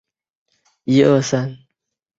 金朝废。